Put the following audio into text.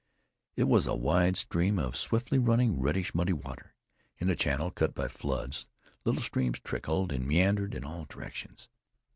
It was a wide stream of swiftly running, reddish muddy water. In the channel, cut by floods, little streams trickled and meandered in all directions.